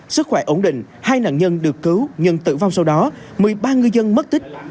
sức khỏe ổn định hai nạn nhân được cứu nhân tử vong sau đó một mươi ba ngư dân mất tích